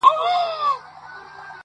زما ځوانمرگ وماته وايي.